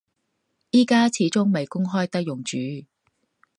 而家始終未公開得用住